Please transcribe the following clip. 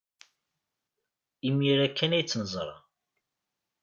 Imir-a kan ay t-neẓra.